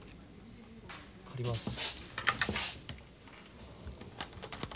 借ります。